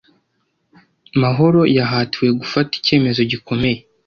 Mahoro yahatiwe gufata icyemezo gikomeye.